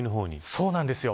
そうなんですよ。